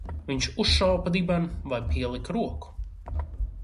Viņš uzšāva pa dibenu vai pielika roku?